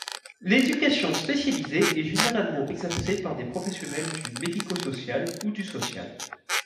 L'éducation spécialisée est généralement exercée par des professionnels du médico-social ou du social.